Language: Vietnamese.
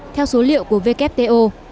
theo số liệu của wto